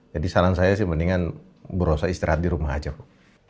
jadi saran saya sih mendingan bu rosa istirahat di rumah aja bu